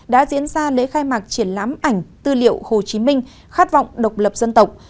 đã diễn ra lễ khai mạc triển lãm ảnh tư liệu hồ chí minh khát vọng độc lập dân tộc